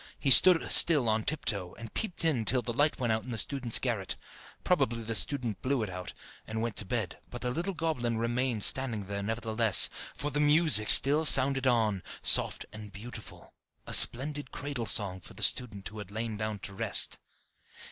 He stood still on tiptoe, and peeped in till the light went out in the student's garret. Probably the student blew it out, and went to bed; but the little goblin remained standing there nevertheless, for the music still sounded on, soft and beautiful a splendid cradle song for the student who had lain down to rest.